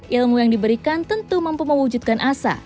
ilmu yang diberikan tentu mampu mewujudkan asa